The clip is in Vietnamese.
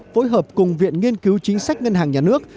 phối hợp cùng viện nghiên cứu chính sách ngân hàng nhà nước